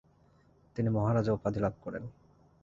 তিনি "মহারাজা" উপাধি লাভ করেন।